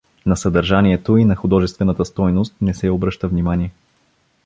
На съдържанието и на художествената стойност не се обръща внимание.